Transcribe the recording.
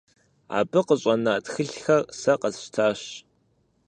Абы къыщӀэна тхылъхэр сэ къэсщтащ.